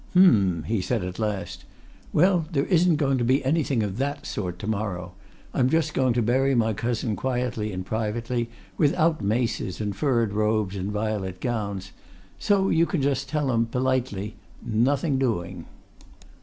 "Um!" he said at last. "Well, there isn't going to be anything of that sort to morrow. I'm just going to bury my cousin quietly and privately, without maces and furred robes and violet gowns. So you can just tell 'em politely nothing doing!"